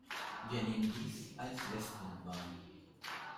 Wir nehmen dies als Westwind wahr.